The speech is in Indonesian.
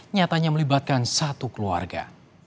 nyatanya melibatkan satu keluarga